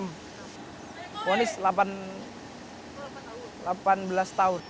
mohon istilah delapan belas tahun